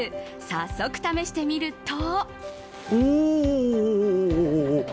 早速、試してみると。